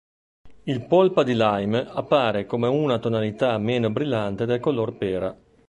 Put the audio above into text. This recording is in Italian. Il polpa di lime appare come una tonalità meno brillante del color pera.